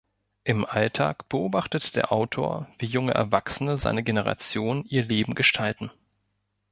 Im Alltag beobachtet der Autor, wie junge Erwachsene seiner Generation ihr Leben gestalten.